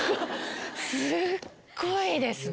すごいですね！